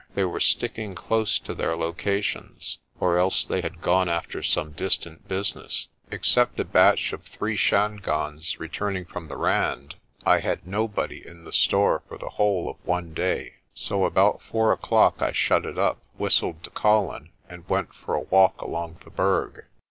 They were sticking close to their locations, or else they had gone after some distant business. Except a batch of three Shangaans returning from the Rand, I had nobody 76 THE DRUMS BEAT AT SUNSET 77 in the store for the whole of one day. So about four o'clock I shut it up, whistled to Colin, and went for a walk along the Berg.